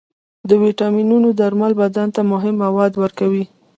د ویټامینونو درمل بدن ته مهم مواد ورکوي.